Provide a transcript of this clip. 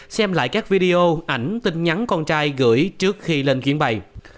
xem lại các video ảnh tin nhắn con trai gửi trước khi lên chuyến bay